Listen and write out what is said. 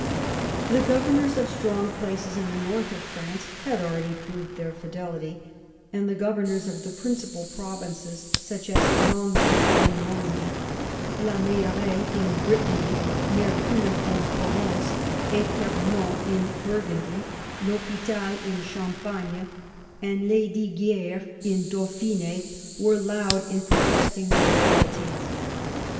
The governors of strong places in the north of France had already proved their fidelity, and the governors of the principal provinces, such as Longueville in Normandy, la Meilleraye in Brittany, Mercoeur in Provence, Epernon 110 MAZABTN chap. in Burgundy, Flldpital in Cliainpagne, and Lesdigui^res in Dauphin^ were loud in protesting their loyalty.